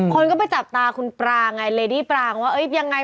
คนก็ไปจับตาคุณปรางไงเลดี้ปรางว่าเอ้ยยังไง